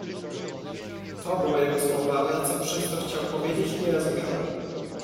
"To były jego słowa, ale co przez to chciał powiedzieć, nie rozumiałem."